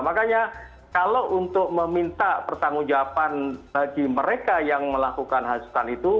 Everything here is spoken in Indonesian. makanya kalau untuk meminta pertanggung jawaban bagi mereka yang melakukan hasutan itu